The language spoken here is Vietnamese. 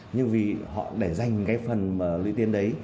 nhưng vì họ để dành cái phần lũy tiên đấy